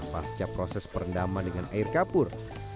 pasca proses perendaman dengan air kapur